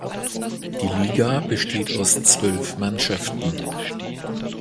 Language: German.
Die Liga besteht aus zwölf Mannschaften.